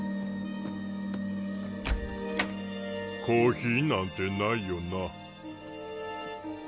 コーヒーなんてないよな。